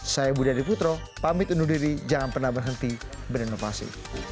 saya budi adiputro pamit undur diri jangan pernah berhenti berinovasi